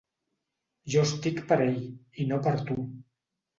Jo estic per ell, i no per tu.